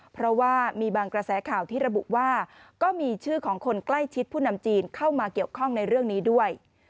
เพราะว่ามีบางกระแสข่าวที่ระบุว่าก็มีชื่อของคนใกล้ชิดผู้นำจีนเข้ามาเกี่ยวข้องในเรื่องนี้ด้วย